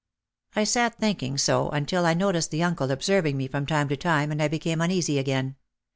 I sat thinking so until I noticed the uncle observing me from time to time and I became uneasy again.